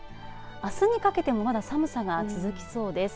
あすにかけてもまだ寒さが続きそうです。